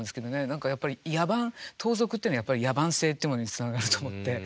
何かやっぱり野蛮盗賊っていうのはやっぱり野蛮性っていうものにつながると思って。